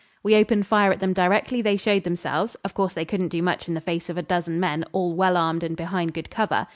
We opened fire at them directly they showed themselves; of course they couldn't do much in the face of a dozen men, all well armed and behind good cover.